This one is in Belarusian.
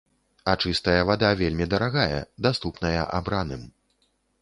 А чыстая вада вельмі дарагая, даступная абраным.